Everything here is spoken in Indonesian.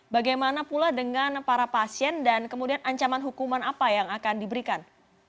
bagaimana pula dengan para pasien dan kemudian ancaman hukuman apa yang akan diberikan